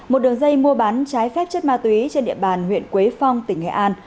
một đường dây mua bán trái phép chất ma túy trên địa bàn huyện quế phong tỉnh nghệ an